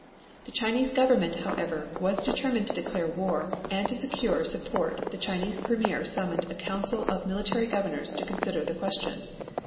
The Chinese Government, however, was determined to declare war, and to secure support the Chinese Premier summoned a council of military governors to consider the question.